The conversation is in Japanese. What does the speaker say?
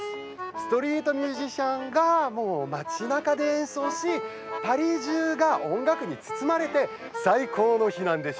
ストリートミュージシャンが街なかで演奏しパリ中が音楽に包まれて最高の日なんです。